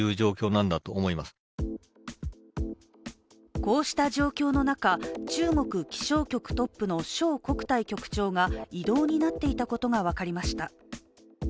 こうした状況の中、中国気象局トップの庄国泰局長が異動になっていたことが分かりました。